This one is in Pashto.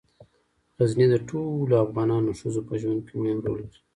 غزني د ټولو افغان ښځو په ژوند کې مهم رول لري.